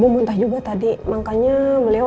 muntah juga tadi makanya beliau